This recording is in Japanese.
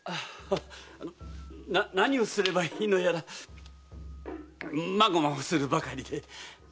何をすればいいのやらまごまごするばかりで。